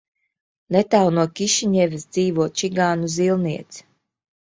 Netālu no Kišiņevas dzīvo čigānu zīlniece.